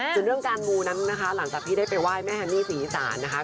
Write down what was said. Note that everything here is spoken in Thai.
สำหรับการมูลนั้นนะคะหลังจากที่ได้ไปไหว้แม่ฮันนี่ศรีสารนะคะ